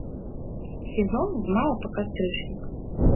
Сезон з мая па кастрычнік.